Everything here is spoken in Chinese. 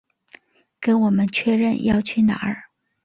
跟我们确认要去哪